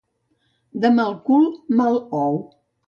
De mal cul, mal ou.